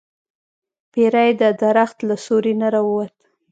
پیری د درخت له سوری نه راووت.